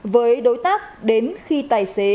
với đối tác đến khi tài xế